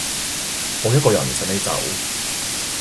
冇一個人想你走